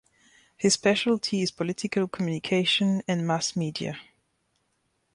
His speciality is political communication and mass media.